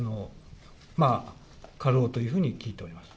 過労というふうに聞いております。